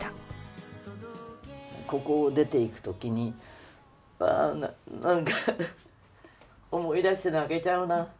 ここを出ていく時にわ何か思い出して泣けちゃうな。